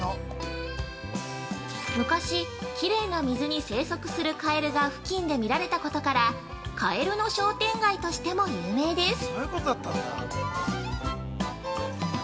昔、きれいな水に生息するカエルが付近で見られたことからカエルの商店街としても有名です。